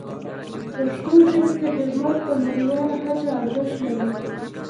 پښتو ژبې ته خدمت په نړیواله کچه ارزښت لري.